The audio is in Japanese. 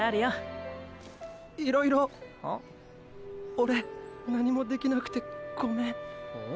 オレ何もできなくてごめん。へ？